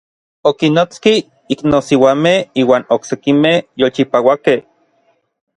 Okinnotski iknosiuamej iuan oksekimej yolchipauakej.